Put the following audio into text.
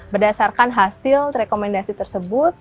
berdasarkan hasil rekomendasi tersebut